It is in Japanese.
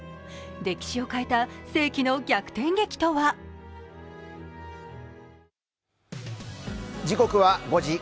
歴史を変えた世紀の逆転劇とは。